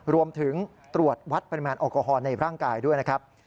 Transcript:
รวมถึงตรวจวัดปริมาณแอลกอฮอลในร่างกายด้วยนะครับ